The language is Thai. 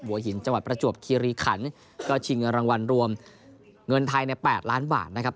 หัวหินจังหวัดประจวบคีรีขันก็ชิงเงินรางวัลรวมเงินไทยใน๘ล้านบาทนะครับ